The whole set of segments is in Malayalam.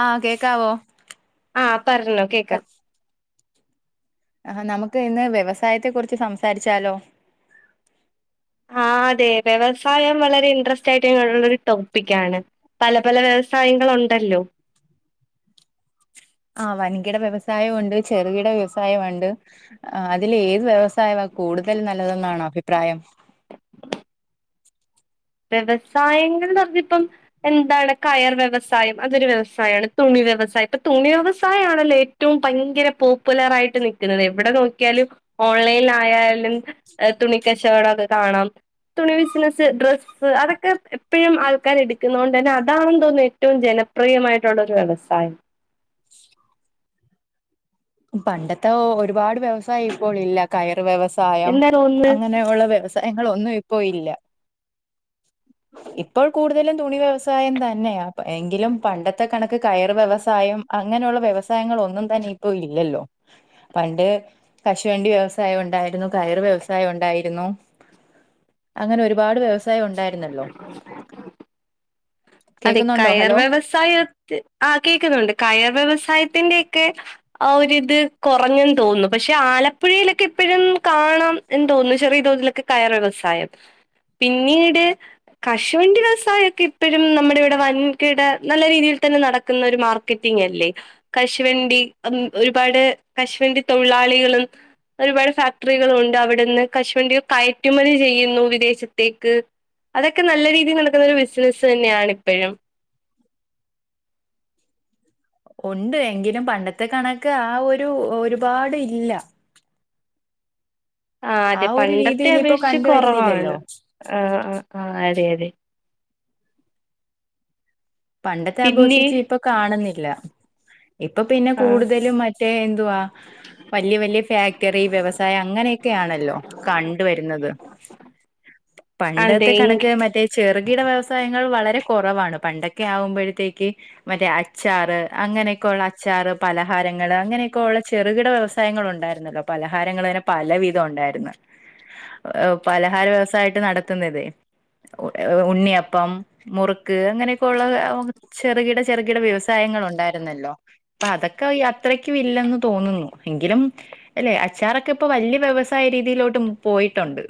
ആഹ് കേക്കാവോ ആഹ് പറ്ഞ്ഞോ കേക്കാം ആ നമുക്ക് ഇന്ന് വ്യവസായത്തെ കുറിച്ച് സംസാരിച്ചാലോ ആ അതെ വ്യവസായം വളരെ ഇൻട്രസ്റ്റായിട്ട്ള്ളൊരു ടോപ്പിക്കാണ് പല പല വ്യവ വ്യവസായങ്ങള് ഒണ്ടല്ലോ [inaudible] ആഹ് വൻകിട വ്യവസായ ഉണ്ട് ചെറുകിട വ്യവസായം ഇണ്ട്. അതില് ഏത് വ്യവസായമാ കൂടുതൽ നല്ലതെന്നാണ് അഭിപ്രായം? വ്യവസായങ്ങൾന്നറിഞ്ഞിപ്പം എന്താണ് കയർ വ്യവസായം അതൊരു വ്യവസായാണ് തുണി വ്യവസായം ഇപ്പ തുണി വ്യവസായാണല്ലെ ഏറ്റവും ഭയ്ങ്കര പോപ്പുലർ ആയിട്ട് നിക്കുന്നത് എവിടെ നോക്കിയാലും. ഓൺലൈൻ ആയാലും ഏഹ് തുണി കച്ചവടക്കെ കാണാം. തുണി ബിസിനസ് ഡ്രസ് അതൊക്കെ എപ്പഴും ആൾക്കാര് എടുക്കുന്നോണ്ടന്നെ അതാണ് തോന്നുന്നു ഏറ്റവും ജനപ്രിയമായിട്ടുള്ള ഒരു വ്യവസായം. പണ്ടത്തെ ഓഹ് ഒരുപാട് വ്യവസായം ഇപ്പോൾ ഇല്ല. കയർ വ്യവസായം എന്താ തോന്നുന്നത് അങ്ങനെയുള്ള വ്യവസായങ്ങളൊന്നും ഇപ്പോ ഇല്ല. ഇപ്പോൾ കൂടുതലും തുണി വ്യവസായം തന്നെയാ എങ്കിലും പണ്ടത്തെ കണക്ക് കയർ വ്യവസായം അ ങ്ങനെയുള്ള വ്യവസായങ്ങളൊന്നും തന്നെ ഇപ്പൊ ഇല്ലല്ലോ പണ്ട് കശുവണ്ടി വ്യവസായം ഉണ്ടായിരുന്നു കയറ് വ്യവസായം ഉണ്ടായിരുന്നു അങ്ങനെ ഒരുപാട് വ്യവസായം ഉണ്ടായിരുന്നല്ലോ അതെ കേക്കുന്നുണ്ടോ കയർ ഹലോ വ്യവസായത്ത് ആ കേക്കുന്നുണ്ട് കയർ വ്യവസായത്തിന്റെ ക്കെ ആ ഒരിത് കുറഞ്ഞെന്ന് തോന്നുന്നു പക്ഷെ ആലപ്പുഴയിലൊക്കെ ഇപ്പഴും കാണാം എന്തൊ തോന്ന് ചെറിയ തോതിലൊക്കെ കയർ വ്യവസായം പിന്നീട് കശുവണ്ടി വ്യവസായക്കെ ഇപ്പയ്‌ നമ്മുടെ ഇവിടെ വൻകിട നല്ല രീതിയിൽ തന്നെ നടക്കുന്ന ഒരു മാർക്കറ്റിംഗ് അല്ലേ കശുവണ്ടി. ഒരുപാട് കശ് വണ്ടി തൊഴിലാളികളും ഒരുപാട് ഫാക്ടറികളുണ്ട് അവിടന്ന് കശുവണ്ടി കയറ്റുമതി ചെയ്യുന്നു വിദേശത്തേക്ക് അതൊക്കെ നല്ല രീതി നടക്കുന്ന ഒരു ബിസിനസ്സ് തന്നെയാണ് ഇപ്പഴും ഉണ്ട് എങ്കിലും പണ്ടത്തെ കണക്ക് ആ ഒരു ഒരുപാട് ഇല്ല ആ അതെ ഒരു പണ്ടത്തെ രീതിയിൽ ഇപ്പൊ അപേക്ഷിച്ച് കണ്ടുവരുന്നില്ലല്ലോ കൊറവാണ് ആ ആ ആ അതെ അതെ പണ്ടത്തെ പിന്നെ ആപേഷിച്ച് ഇപ്പൊ കാണുന്നില്ല ഇപ്പൊ പിന്നെ ആ കൂടുതലും മറ്റേ എന്തുവാ വല്ല്യ വല്ല്യ ഫാക്ടറി വ്യവസായ അങ്ങനെയൊക്കെയാണല്ലോ കണ്ട് വരുന്നത് അതെ പണ്ടത്തെ എങ്കി കണക്ക് മറ്റേ ചെറുകിട വ്യവസായങ്ങൾ വളരെ കുറവാണ് പണ്ടൊ ക്കെ ആവുമ്പഴത്തേക്ക് മറ്റെ അച്ചാറ് അങ്ങനെക്കെഉള്ള അച്ചാറ് പലഹാരങ്ങള് അങ്ങനെയൊക്കെ ഉ ചെറുകിട വ്യവസായങ്ങൾ ഉണ്ടായിരുന്നല്ലോ പലഹാരങ്ങള്ന്നെ പല വിധ ഉണ്ടായിരുന്നു പലഹാര വ്യവസായയിട്ട് നടത്തുന്നുന്നത് ഉണ്ണിയപ്പം മുറുക്ക് അങ്ങനെ ക്ക്‌ള്ളത് ചെറ്കിട ചെറ്കിട വ്യവസായങ്ങൾ ഉണ്ടായിരുന്നല്ലോ പ്പൊ അതൊക്കെ അത്രകുംമില്ല ന്ന് തോന്നുന്നു എങ്കിലും അല്ലെ അച്ചാറൊക്കെ ഇപ്പൊ വല്യ വ്യവസായ രീതിയിലോട്ടു പോയിട്ടുണ്ട്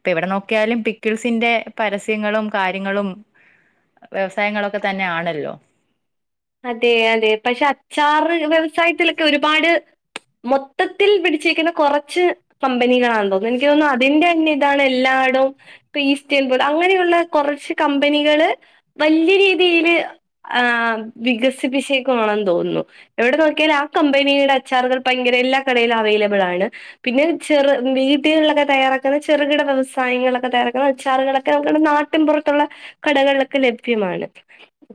പ്പ എവിടെ നോക്കിയാലും പിക്കിൾസിന്റെ പരസ്യങ്ങളും കാര്യങ്ങളും വ്യവസായങ്ങളൊക്കെ തന്നെ ആണല്ലോ അതെ അതെ പക്ഷെ അച്ചാറ് വ്യവസായത്തിലൊക്കെ ഒരുപാട് മൊത്തത്തിൽ പിടിച്ചിരിക്കുന്ന കൊറച്ച് കമ്പനികളാ തോന്നു എനിക്ക് തോന്നുഅതിന്റെന്നെതാണ് എല്ലാ [unintelligible] അങ്ങനെയുള്ള കൊറച്ച് കമ്പനികള് വല്ല്യരീതീല് ആ വികസിപ്പിച്ചേക്കു ആണെന്ന് തോന്നുന്നു എവിടെ നോക്കിയാൽ ആ കമ്പനിയിലെ അച്ചാറുകൾ ഭയങ്കര എല്ലാ കടയിലും അവ ലബ്ളാണ് പിന്നെ ചെറ വീട്ടിലുള്ളത് തയ്യാറാക്ണ ചെറുകിട വ്യവസായങ്ങളൊക്കെ തയ്യാറക്ണ അച്ചാ റ്കളൊക്കെ നാട്ടിൻപുറത്തുള്ള കടകൾലൊക്കെ ലഭ്യമാണ്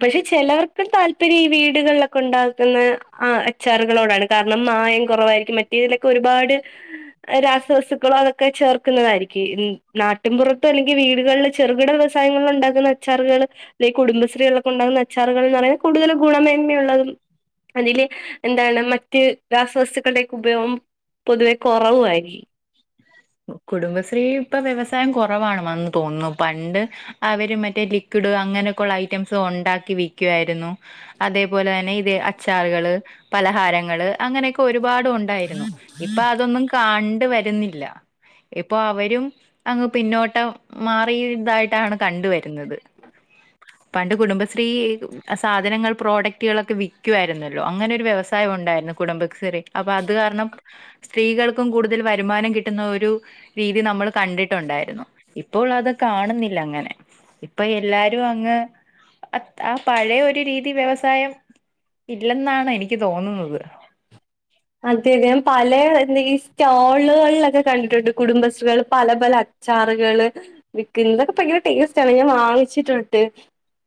പക്ഷെ ചെലർക്ക്‌ താൽ പ്പരീ ഈ വീടുകൾലൊക്കണ്ടാക്കുന്ന ആ അച്ചാറുകളോടാണ് കാരണം മായം കുറവായിരിക്കും മറ്റേതിലൊക്കെ ഒരു രുപാട് രാസവസ്തുക്കളോ അതൊക്കെ ചേർക്കുന്നതായിരിക്കും നാട്ടിൻപുറത്ത് അല്ലെങ്കി വീട് കള് ചെറുകിട വ്യവസായങ്ങള്ണ്ടാക്കുന്ന അച്ചാറുകളൊക്കെ കുടുംബശ്രീകൾക്കെണ്ടാകുന്ന അച്ചറുകൾ ന്ന് പറയുന്നത് കൂടുതൽ ഗുണമേന്മയുള്ളതും അതില് എന്താണ് മറ്റ് രാസവസ്തുക്കളുടെക്കെ ഉപയോഗം പൊതുവെ കുറവായിരി കുടുംബശ്രീ ഇപ്പ വ്യവസായം കൊറവാണ് മന്ന് തോന്നുന്നു പണ്ട് അവര് മറ്റേ ലിക്വിഡ് ഇപ്പ അങ്ങനെക്കൊള്ള ഐറ്റംസ് ഒണ്ടാക്കി വിക്കു ആയിരുന്നു അതേ പോലെന്നെ ഇത് അച്ചാറുകള് പലഹാരങ്ങള് അങ്ങനേക്ക ഒരു ഒരുപാട് ഒണ്ടായിരുന്നു ഇപ്പൊ അതൊന്നും കാണ്ട്‌ വരുന്നില്ല ഇപ്പൊ അവരും അങ്ങ് പിന്നോട്ട് മാറിയതായിട്ടാണ് അവിട കണ്ടുവരുന്നത് പണ്ട് കുടുംബശ്രീ അ സാധനങ്ങൾ പ്രോഡക്റ്റുകളൊക്കെ വിക്കുവായിരുന്നല്ലോ അങ്ങനെ ഒരു വ്യവസായ ഒണ്ടായിരുന്നു കുടുംബശ്രീ അപ്പ അത് കാരണം സ്ത്രീകൾക്കും കൂടുതൽ വരു തീരുമാനം കിട്ടുന്ന ഒരു രീതി നമ്മള് കണ്ടിട്ടൊണ്ടായിരുന്നു ഇപ്പോൾ അത് കാണുന്നില്ല അങ്ങനെ ഇപ്പ എല്ലാരും അങ്ങ് അ ആ പഴയൊരു രീതി വ്യവസായം ഇല്ലെന്നാണ് എനിക്ക് തോന്നുന്നത് അതെ അതേം പലേ എന്തെങ്കിലും ഈ സ്റ്റോളുകളിലൊക്കെ കണ്ടിട്ടുണ്ട് കുടുംബശ്രീകൾ പല പല ചാറുകള് വിക്കല് ഇതൊക്കെ ഭയങ്കര ടേസ്റ്റ് ആണ് ഞാൻ വാങ്ങിച്ചിട്ടുണ്ട്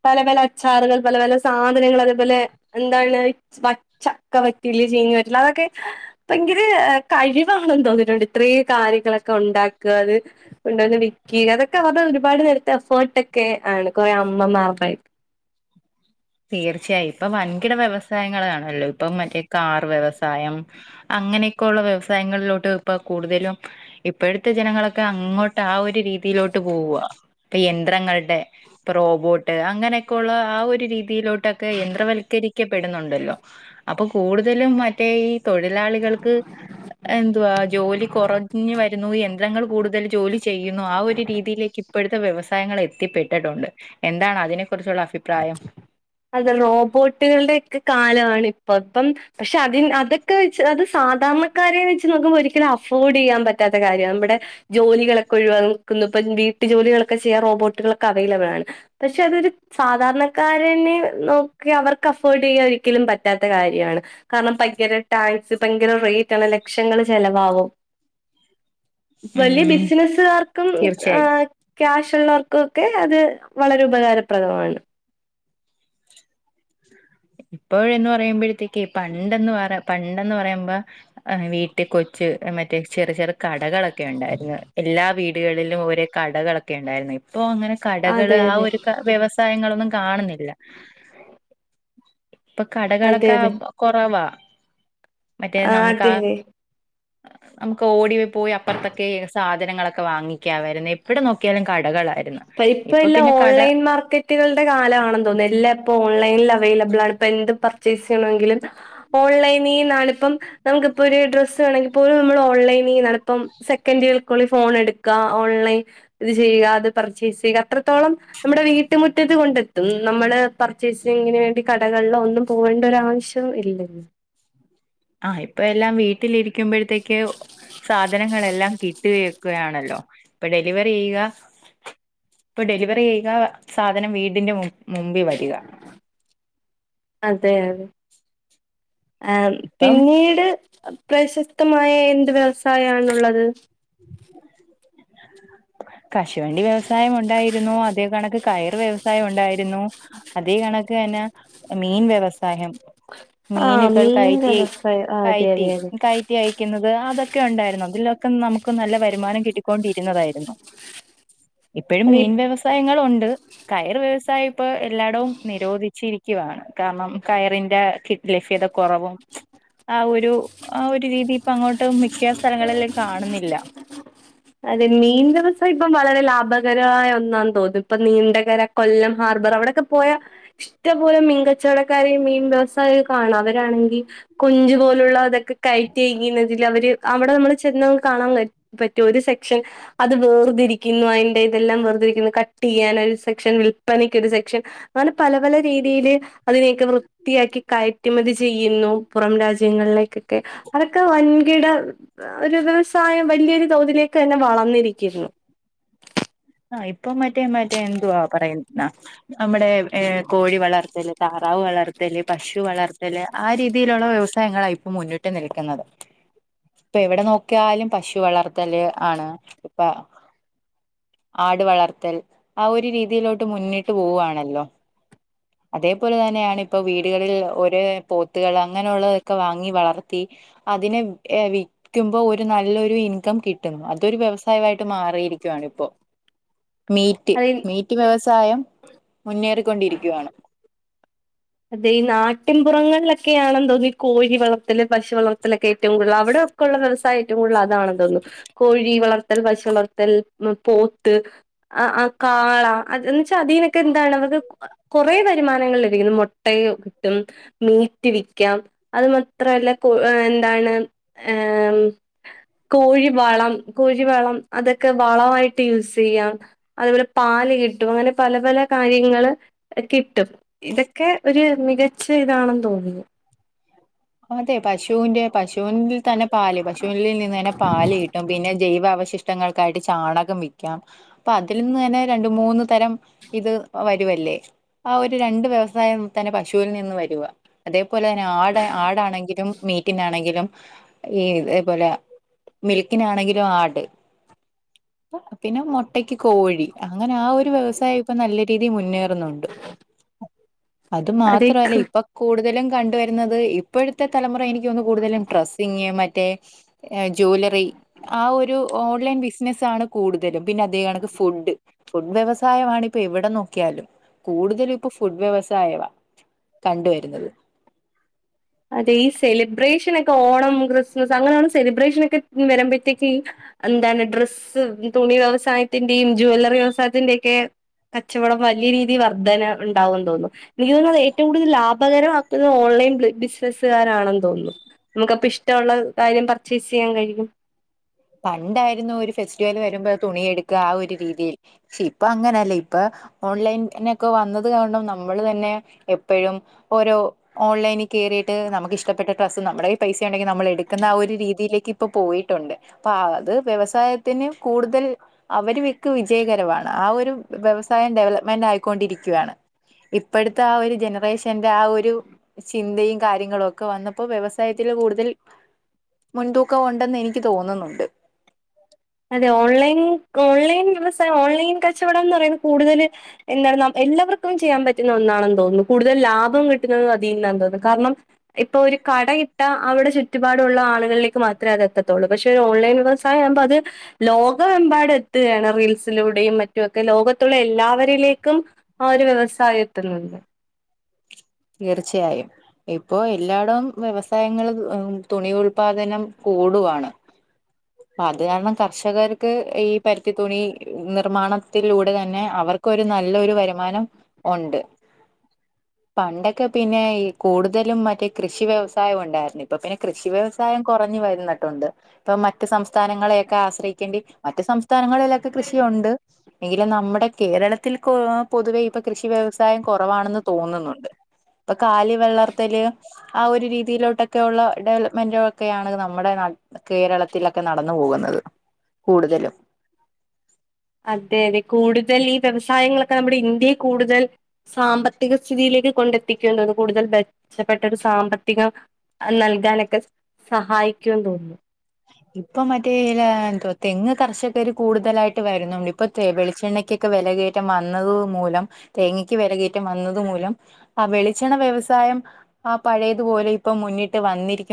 പല പല അച്ചാറുകൾ പല പല സാധനങ്ങള് അതേപോലെ എന്താണ് ഈ പച്ചക്ക വറ്റില് ചീ ലതൊക്കെ ഭയങ്കര എ കഴിവാണെന്ന് തോന്നിട്ടുണ്ട് ഇത്രേം കാര്യങ്ങളൊക്കെ ഒണ്ടാക്കുക അത് ഹ്ഹ് കൊണ്ടോന്ന് വിക്കിക അതൊക്കെ അവർടെ ഒരുപാട് നേരത്തെ എഫോർട്ടെക്കെ ആണ് കൊറെ അമ്മമാർടെ തീർച്ചയായും ഇപ്പൊ വൻകിട വ്യവസായങ്ങൾ ആണല്ലോ ഇപ്പം മറ്റേ കാർ വ്യവസ സായം അങ്ങനെയൊക്കെ ഒള്ള വ്യവസായങ്ങളിലോട്ട് ഇപ്പ കൂടുതലും ഇപ്പോഴത്തെ ജനങ്ങളൊക്കെ അ അങ്ങോട്ട് ആ ഒരു രീതിയിലോട്ട് പോവുവാ ഇപ്പോ യന്ത്രങ്ങളുടെ ഇപ്പോ റോബോട്ട് അങ്ങനെയൊക്കെ ഒ ള്ള ആ ഒരു രീതിയിലോട്ടെക്കെ യന്ത്രവൽക്കരി ക്കപ്പെടുന്നൊണ്ടല്ലോ അപ്പൊ കൂടുതലും മറ്റേ ഈ തൊഴിലാളികൾക്ക് എന്തുവാ ആ ജോലി കൊറഞ്ഞു വരുന്നു യന്ത്രങ്ങൾ കൂടുതൽ ജോലി ചെയ്യുന്നു ആ ഒരു രീതിയിലേക്ക് ഇപ്പോഴത്തെ വ്യവസാ യങ്ങൾ എത്തിപ്പെട്ടിട്ടൊണ്ട് എന്താണ് അതിനെ കുറിച്ചുള്ള അഭിപ്രായം അത് റോബോട്ടുകളുടെയൊക്കെ കാലവാണ് ഇപ്പം ഇപ്പം പക്ഷെ അതിൻ അതൊ ക്കെ വെച്ച് അത് സാധാരണക്കാരെ വെച്ച് നോക്കുമ്പോ ഒരിക്കലും അഫോർഡ്‌ ചെയ്യാൻ പറ്റാത്ത കാര്യാണ് നമ്മുടെ ജോലികളൊ ക്കെ ഒഴിവാക്കുന്നു ഇപ്പോ വീട്ടു ജോലികളൊക്കെ ചെയ്യാൻ റോബോട്ടുകളൊക്കെ അവൈലബിളാണ് പക്ഷെ അതൊരു സാ ധാരണക്കാരനെ നോക്കി അവർക്ക് അഫോർഡ് ചെയ്യാൻ ഒരിക്കലും പറ്റാത്ത കാര്യവാണ് കാരണം ഭയങ്കര ടാക്സ് ഭയങ്കര റേറ്റാണ് ലക്ഷങ്ങള് ചെലവാകും വല്ല്യ ഉം ബിസിനസുകാർക്കും ആ തീർച്ചയായും ക്യാഷാ യിട്ടുള്ളവർക്കൊക്കെ അത് വളരെ ഉപകാരപ്രദമാണ് ഇപ്പോഴെന്ന് പറയുമ്പോഴത്തേക്ക് പണ്ടെന്ന് പറ പണ്ടെന്ന് പറയുമ്പ ആ വീട്ടി കൊച്ച് മറ്റേ ചെറു ചെറു കടകളൊക്കെ ഉണ്ടായിരുന്നു എല്ലാ വീടുകളിലും ഒരേ കടകളൊക്കെ ഉണ്ടായിരുന്നു ഇ പ്പോ അങ്ങനെ കടകള് അതെ ആ അതെ ഒരു ക വ്യവസായങ്ങളൊന്നും കാണുന്നില്ല ഇപ്പ അതെ കടകളൊക്കെ ആ അതെ കൊറവാ മറ്റേ നമുക്ക് അതെ ആ അതെ നമുക്ക് ഓടി പോയി അപ്പർത്തക്കെ സാധനങ്ങളൊക്കെ വാങ്ങിക്കാ വരുന്നേ എവിട നോക്കിയാലും ക അപ്പ ഇപ്പ എല്ലാ ഓൺലൈൻ മാർക്കറ്റുകൾടെ കാലാണെന്ന് തോന്നുന്നു എല്ലാ ഇപ്പ ഓൺ ഓൺലൈനിൽ അവൈലബ്ളാണ് ഇപ്പ എന്ത് പർച്ചേസെയ്യണോങ്കിലും ഓൺലൈനീനാണ് ഇപ്പം നമുക്കൊപ്പൊരു ഈ ഡ്രസ്സ് വേണെങ്കി പോലും നമ്മള് ഓൺലൈനീന്നാണിപ്പം സെക്കന്റ് കൾക്കുള്ളി ഫോൺ എടുക്കാ ഓൺലൈൻ ഇത് ചെയ്കാ അത് പർച്ചേസെയ്ക അത്രത്തോളം നമ്മുടെ വീട്ടുമുറ്റത്ത് കൊണ്ടെത്തും നമ്മള് പർച്ചേസിങ്ങിനു വേണ്ടി കടക വെള്ള ഒന്നും പോവണ്ട ഒരാവശ്യം ഇല്ല ആ ഇപ്പ എല്ലാം വീട്ടിലിരിക്കുമ്പോഴത്തേക്ക് സാധനങ്ങളെ എല്ലാം കിട്ടുകയെക്കയാണല്ലോ ഇപ്പ ഡെലിവറിയ്യുക ഇപ്പ ഡെലിവറിയ്യുക സാധനം വീട് ടിന്റെ മും മുമ്പി വരിക ആം ഇപ്പം പിന്നീട് അ പ്രശസ്തമായ എന്ത് വ്യവസായാണുള്ളത് കശുവണ്ടി വ്യവസായം ഉണ്ടായിരുന്നു അതേ കണക്ക് കയർ വ്യവസായോണ്ടായിരുന്നു അതേ കണക്ക് മീൻ വ്യവസാഹ്യം ആഹ് മീനുകൾ മീൻ കയറ്റി വ്യവസായം ആഹ് അതെ കയറ്റി അതെ അതെ കയറ്റി അയക്കുന്നത് അ അതൊക്കെ ഉണ്ടായിരുന്നു അതിലൊക്കെ നമുക്ക് നല്ല വരുമാനം കിട്ടിക്കൊണ്ടിരുന്നതായിരുന്നു ഇപ്പോഴും അതെ മീൻ വ്യവസായങ്ങൾ ഉണ്ട് കയറ് വ്യവസായം ഇപ്പ എല്ലായിടവും നിരോധിച്ചിരിക്കുവാണ് കാരണം കയറിന്റെ ലഫ്യത കുറവും ആ ഒരു ആ ഒരു രീതി ഇപ്പ അങ്ങോട്ടും മിക്ക സ്ഥലങ്ങളിലും കാണുന്നില്ല അതെ മീൻ വ്യവസായ ഇപ്പം വളരെ ലാഭകരമായ ഒന്നാന്ന് തോന്നുന്നു ഇപ്പൊ നീണ്ടകര കൊല്ലം ഹാർബർ അവിടൊക്കെ പോയാ ഇറ്റം പോലെ മീൻ കച്ചോവടെക്കാരെയും മീൻ വ്യവസായ കാണാ അവരാണെങ്കിൽ കൊഞ്ചു പോലുള്ള അതൊ ക്കെ കയറ്റി അയക്കുന്നതില് അവര് അവിടെ നമ്മൾ ചെന്ന കാണാൻ പറ്റോ ഒരു സെക്ഷൻ അത് വേർതിരിക്കുന്നു അതിന്റെ ഇതെല്ലാം വെറ കട്ട് ചെയ്യാൻ ഒരു സെക്ഷൻ വിൽപനക്ക് ഒരു സെക്ഷൻ അങ്ങനെ പല പല രീതിയില് അതിനെയൊക്കെ വൃത്തിയാക്കി കയറ്റുമതി ചെയ്യുന്നു പുറം രാ ജ്യങ്ങളിലേക്കൊക്കെ അതൊക്കെ വൻകിട ഒരു വ്യവസായം വലിയൊരു തോതിലേക്ക് തന്നെ വളർന്നിരിക്കിരുന്നു ആ ഇപ്പൊ മറ്റേ മറ്റേ എന്തുവാ പറയുന്നാ നമ്മുടെ കോഴി വളർത്തല് താറാവ് വളർത്തല് പശു വളർത്തല് ആ രീതിയിലുള്ള വ്യവസായങ്ങള ഇപ്പൊ മുന്നിട്ട് നിൽക്കുന്നത് എവിടെ നോക്കിയാലും പശു വളർത്തല് ആണ് ഇപ്പൊ ആടു വളർത്തൽ ആ ഒരു രീതിയിലോട്ട് മുന്നിട്ട് പോവാണല്ലോ അതേപോലെ തന്നെയാണ് ഇപ്പോ വീടുകളിൽ ഒരേ പോത്തുകൾ അങ്ങനെ ഉള്ളതൊക്കെ വാങ്ങി വളർത്തി അതിനെ വിൽക്കുമ്പോ ഒരു നല്ലൊരു ഇൻകം കിട്ടുന്നു അതൊരു വ്യവസായമായിട്ട് മാറി യിരിക്കയാണ് ഇപ്പൊ മീറ്റ് അതെ മീറ്റ് വ്യവസായം മുന്നേറിക്കൊണ്ടിരിക്കുകയാണ് അതെ ഈ നാട്ടിൻ പുറങ്ങളിലൊക്കെ ആണെന്ന് തോന്നു ഈ കോഴി വളർത്തല് പശു വളർത്തലൊക്കെ ഏറ്റവും കൂടുതൽ അവിടെ ഒക്കുള്ള വ്യവസായം ഏറ്റവും കൂടുതൽ അതാണെന്ന് തോന്നുന്നു കോഴി വളർത്തൽ പശു വളർത്തൽ പോത്ത് ആ ആ കാള അത് എന്ന് വെച്ചാ അതീനൊക്കെ എന്താണ് അവർക്ക് കൊറെേ വരുമാനങ്ങൾ ലഭരിക്കുന്നു മു ട്ടയു കിട്ടും മീറ്റ് വിക്കാം അതൊന്നു അത്രവെല്ല കൊ എന്താണ് [unintelligible] കോഴി വളം കോഴി വളം അതൊക്കെ വളമായിട്ട് യൂസ് ചെയ്യാം അത്പോലെ പാ ല് കിട്ടും അങ്ങനെ പല പല കാര്യങ്ങള് കിട്ടും ഇതൊക്കെ ഒരു മികച്ച ഇതാണെന്ന് തോന്നുന്നു അതെ പശുവിന്റെ പശുവിൽ തന്നെ പാല് പശുവിൽ നിന്ന് തന്നെ പാല് കിട്ടും പിന്നെ ജൈവ അവശിഷ്ട ങ്ങൾ ഒക്കായിട്ട് ചാണകം വിൽക്കാം അപ്പൊ അതിൽ നിന്ന് തന്നെ രണ്ട മൂന്ന് തരം ഇത് വരുവല്ലേ ആ ഒരു രണ്ട് വ്യവസായം തന്നെ പശുവിൽ നിന്ന് വരുവ അതെ പോലെ തന്നെ ആട് ആടാണെങ്കിലും മീറ്റിന ണെങ്കിലും ഈ ഇതേപോലെ മിൽക്കിനാണെങ്കിലും ആട് പിന്നെ മൊട്ടക്ക് കോഴി അങ്ങനെ ആ ഒരു വ്യവസായം ഇപ്പൊ നല്ല രീതിയിൽ മുന്നേറുന്നുണ്ട് അത് അതെ മാത്രല്ല ഇപ്പൊ കൂടുതലും കണ്ടുവരുന്നത് ഇപ്പോഴത്തെ തലമുറ എനിക്ക് തോന്നൂ കൂടുതലും ഡ്രസ്സിങ് മറ്റേ ജ്വലറി ആ ഒരു ഓൺലൈൻ ബിസിനസ്സ് ആണ് കൂടുതലും പിന്നെ അതേ കണക്ക് ഫുഡ് ഫുഡ് വ്യവസായമാണ് ഇപ്പൊ എവിടെ നോക്കിയാലും കൂടുതലും ഇപ്പൊ ഫുഡ് വ്യവസായവാ കണ്ടു വരുന്നത് അതെ ഈ സെലിബ്രേഷൻ ഒ ഓണം ക്രിസ്മസ് അങ്ങനെയുള്ള സെലിബ്രേഷന് ഒക്കെ വരുമ്പോഴത്തേക്ക് എന്താണ് ഡ്രസ്സ് ഭി വ്യവസായത്തിന്റെയും ജവല്ലറി വ്യവസായത്തിന്റെ ഒക്കെ കച്ചവടം വലിയ രീതി വർധന ഉണ്ടാവും തോന്നുന്നു എനിക്ക് തോന്നുന്നത് ഏറ്റവും കൂടുതൽ ലാഭകരമാക്കുന്ന ഓൺലൈൻ [unintelligible] നസ് കാരാണെന്ന് തോന്നുന്നു നമുക്കപ്പ ഇഷ്ടമുള്ള കാര്യം പർച്ചേസ് ചെയ്യാൻ കഴിയും തുണിയെടുക്കാ ആ ഒരു രീതിയിൽ. ഇപ്പ അങ്ങനെയല്ലേ ഇപ്പ ഓൺലൈൻനൊക്കെ വന്നതുകാരണം നമ്മളു തന്നെ എപ്പഴും ഓരോ ഓൺലൈനിൽ കേറിയിട്ട് നമുക്കിഷ്ടപ്പെട്ട ഡ്രസ്സ് നമ്മുടെ കയ്യിൽ പൈസയുണ്ടെങ്കി നമു നമ്മളെടുക്കുന്ന ആ ഒരു രീതിയിലേക്കിപ്പം പോയിട്ടുണ്ട്. പ്പ ആത് വ്യവസായത്തിന്ന് കൂടുതൽ അവരുമിക്ക വിജയകരമാണ് ആ ഒരു വ്യവ സായം ഡെവലപ്മെന്റായിക്കൊണ്ടിരിക്കുക യാണ്. ഇപ്പളത്തെയാ ഒരു ജനറേഷന്റെ ആ ഒരു ചിന്തയുംകാര്യങ്ങളുമൊക്കെ വന്നപ്പോ വ്യവസായത്തിൽ ല് കൂടുതൽ മുൻതൂക്കമുണ്ടെന്നെ നിക്കുതോന്നുന്നുണ്ട്. അതെ ഓൺലൈൻ ഓൺലൈൻ. വ്യവസായ ഓൺലൈൻ കച്ചവടമെന്നു പറയുന്നത് കൂടുതല് എന്താണ് നമ്മ എല്ലാർക്കും ചെയ്യാൻ പറ്റുന്ന ഒന്നാണെന്നു തോന്നുന്നു. കൂടുതലും ലാഭം കിട്ടുന്നതും അതിന്നാന്ന് തോന്നുന്നു കാരണം ഇപ്പൊ ഒരു കടയിട്ടായ അവിടെ ചുറ്റുപാടുമുള്ള ആ- ആളുകളിലേക്ക് മാത്രേ അത് എത്തത്തുള്ളു പക്ഷേ ഓൺലൈൻ വ്യവസായമാകുമ്പോ അത് - ലോകമെമ്പാടുമെത്തുകയാണ് റീൽസിലൂടെയും മറ്റുമൊക്കെ ലോകത്തുള്ള എല്ലാവരിലേക്കും- ആ ഒരു വ്യവസായം എത്തുന്നുണ്ട് [inaudible] തീർച്ചയായും ഇപ്പോയെല്ലാടോം വ്യവസായങ്ങളും തുണി ഉൽപാദനം- ഓടുവാണ് അ, അതുകാരണം കർഷകർക്ക് ഈ പരുത്തിതുണി നിർമ്മാണത്തിലൂടെ തന്നെ അവ.. അവർക്കൊരു നല്ലൊരു വരുമാനം ഉ ണ്ട്. പണ്ടൊക്കെ പിന്നെയീ കൂടുതലും മറ്റേ കൃഷി വ്യവസായമുണ്ടായിരുന്നു. ഇപ്പോ പിന്നെ കൃഷി വ്യവസായം കുറഞ്ഞു. ഞ്ഞു വന്നിട്ടുണ്ട്. ഇപ്പം മറ്റു സംസ്ഥാനങ്ങളെയൊക്കെആശ്രയിക്കേണ്ടി, മറ്റു സംസ്ഥാനങ്ങളിലൊക്കെ കൃഷിയുണ്ട്. എങ്കിലും നമ്മുടെ കേരളത്തിൽ കൊ പൊതുവേ ഇപ്പൊകൃഷിവ്യവസായം കുറവാണെന്ന് തോന്നുന്നുണ്ട്. ഇപ്പൊ, കാലിവളർത്തല് ആ ഒര് രീതിയിലോട്ടൊക്കെ ഉള്ള ഡെവലപ്മെന്റാക്കെയാണ്, നമ്മുടെ നാട്ടി കേരളത്തിലൊക്കെ നടന്നുപോവു ന്നത് കൂടുതലും. അതെയതെ കൂടുതലീവ്യവസായങ്ങളൊക്കെനമ്മുടെ ഇന്ത്യയെ കൂടുതൽ സാമ്പത്തിക സ്ഥിതിയിലേ ര് കൊണ്ടെത്തിക്കേണ്ടത്. കൂടുതൽ മെച്ചപ്പെട്ട ഒരു സാമ്പത്തിക അയ് നൽകാനൊക്കെ സഹായിക്കും തോന്നുന്നു ഇപ്പൊ മറ്റേ ഏതാ തെങ്ങുകർഷകരു കൂടുതലായിട്ട് വര്ന്നുണ്ട് ഇപ്പൊ തെ വെളിച്ചെണ്ണയ്ക്കൊക്കെ വിലകേറ്റംവന്നതു മൂലം, തേങ്ങക്കുവിലകേറ്റം വന്നതുമൂലം ആ വെളിച്ചെണ വ്യവസായം ആ പഴയതുപോലെയിപ്പം മുന്നിട്ട് വന്നിരിക്ക